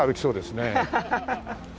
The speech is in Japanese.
ハハハハ！